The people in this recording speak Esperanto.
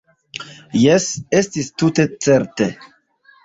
Jes, estis tute certe.